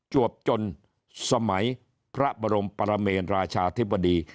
วบจนสมัยพระบรมปรเมนราชาธิบดี